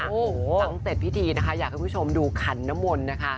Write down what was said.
โอ้โหตั้งแต่พิธีนะคะอยากให้คุณผู้ชมดูขันนมลนะคะ